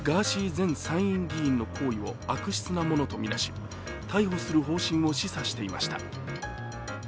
前参院議員の行為を悪質なものとみなし、逮捕する方針を示唆していました